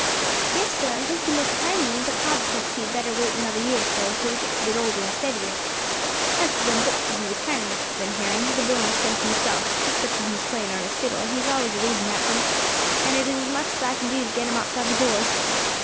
"Yes, sir, and thank you most kindly; but father thinks he had better wait another year or so, till he gets a bit older and steadier. As for them books as you was kind enough to send Harry, the boy must thank you hisself; except when he is playing on his fiddle he is always reading at them, and it is as much as I can do to get him outside the doors.